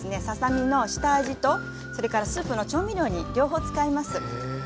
ささ身の下味とそれからスープの調味料に両方使います。